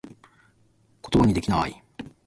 ことばにできなぁい